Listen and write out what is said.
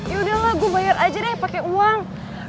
ya udah lah gue bayar aja deh pake uang